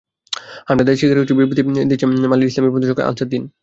হামলায় দায় স্বীকার করেছে বিবৃতি দিয়েছে মালির ইসলামপন্থী সংগঠন আনসার দ্বীন।